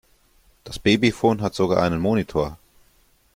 Das Babyfon hat sogar einen Monitor.